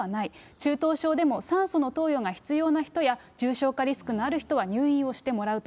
中等症でも酸素の投与が必要な人や、重症化リスクのある人は入院をしてもらうと。